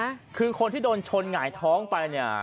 คือคนที่โดนชนหงายท้องไปเนี่ย